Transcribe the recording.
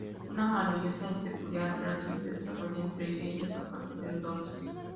Una maravillosa y peculiar relación se desarrolla entre ellos a partir de entonces.